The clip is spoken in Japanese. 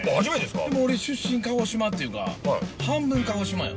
でも俺出身鹿児島っていうか半分鹿児島よ。